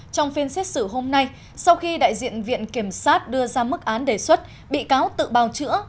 trong phiên xét xử hôm nay sau khi đại diện viện kiểm sát đưa ra mức án đề xuất bị cáo tự bào chữa